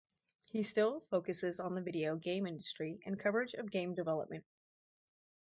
He still focuses on the video game industry and coverage of game development.